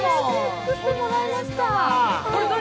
作ってもらいました。